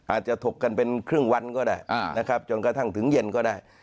อาจจะถกกันเป็นครึ่งวันก็ได้จนกระทั่งถึงเย็นก็ได้